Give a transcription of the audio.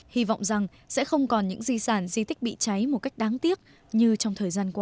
hy vọng rằng sẽ không còn những di sản di tích bị cháy một cách đáng tiếc như trong thời gian qua